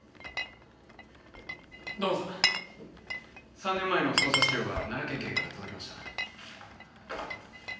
３年前の捜査資料が奈良県警から届きました。